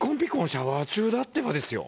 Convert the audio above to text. シャワー中だってば」ですよ。